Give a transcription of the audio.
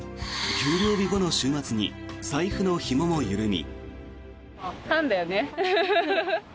給料日後の週末に財布のひもも緩み。